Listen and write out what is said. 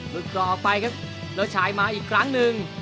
รถกรอบไปครับรถฉายมาอีกครั้งนึง